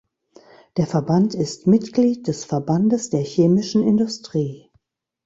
Der Verband ist Mitglied des Verbandes der Chemischen Industrie.